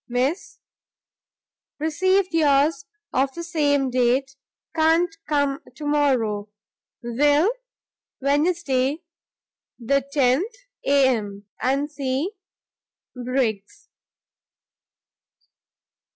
Miss, Received yours of the same date; can't come tomorrow. Will, Wednesday the 10th. Am, &c., Jno. Briggs.